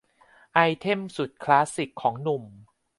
ไอเทมสุดคลาสสิกของหนุ่ม